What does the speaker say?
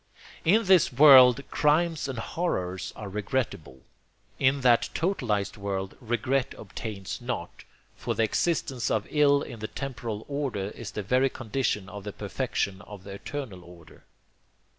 In this world crimes and horrors are regrettable. In that totalized world regret obtains not, for "the existence of ill in the temporal order is the very condition of the perfection of the eternal order."